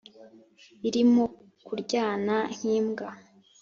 irimo kuryana nk’imbwa,